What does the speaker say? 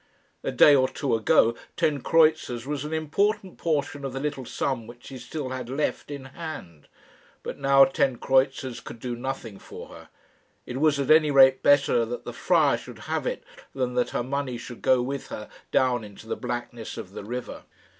A day or two ago ten kreutzers was an important portion of the little sum which she still had left in hand, but now ten kreutzers could do nothing for her. It was at any rate better that the friar should have it than that her money should go with her down into the blackness of the river.